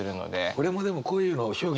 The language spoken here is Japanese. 俺もでもこういうの表現